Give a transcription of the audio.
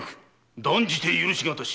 断じて許しがたし。